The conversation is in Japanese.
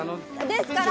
ですから。